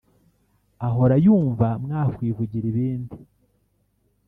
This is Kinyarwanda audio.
ahora yumva mwakwivugira ibindi